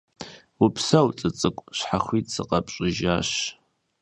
Упсэу, лӀы цӀыкӀу, щхьэхуит сыкъэпщӀыжащ.